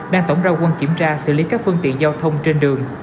đang tổng ra quân kiểm tra xử lý các phương tiện giao thông trên đường